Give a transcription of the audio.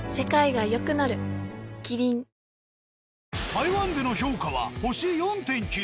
台湾での評価は星４．９。